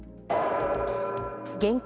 現金